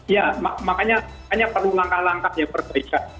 ya makanya hanya perlu langkah langkah yang perbaikan